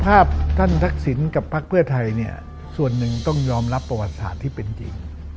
ภาพท่านทำสินกับพรรภีร์ไทยเนี่ยส่วนนึงต้องยอมรับมะวัดศาสตร์ที่เป็นจริง